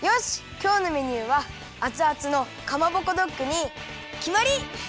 きょうのメニューはアツアツのかまぼこドッグにきまり！